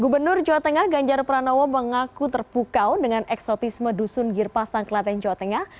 gubernur jawa tengah ganjar pranowo mengaku terpukau dengan eksotisme dusun girpasang kelaten jawa tengah